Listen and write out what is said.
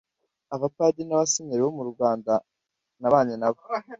Abapadiri n’abasenyeri bo mu Rwanda nabanye nabo